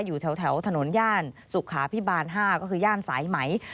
อยู่แถวถนนย่านสุขาพิบาล๕ก็คือย่านสายไหม